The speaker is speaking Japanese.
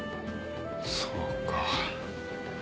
そうか。